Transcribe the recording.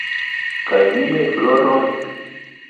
Kaj miaj floroj?